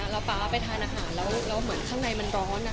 แล้วป๊าไปทานอาหารแล้วเหมือนข้างในมันร้อน